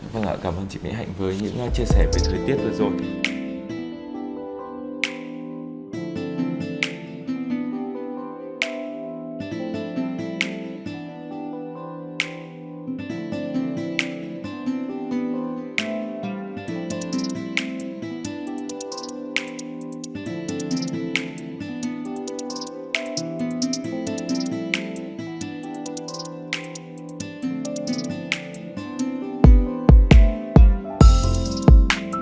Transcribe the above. vâng ạ cảm ơn chị mỹ hạnh với những chia sẻ về thời tiết vừa rồi